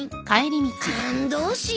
あんどうしよう。